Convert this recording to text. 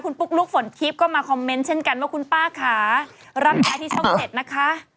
คุณปุ๊กลุ๊กฝนทิพย์ก็มาคอมเมนต์เช่นกันว่าคุณป้าค่ะรับแท้ที่ช่องเจ็ดนะคะ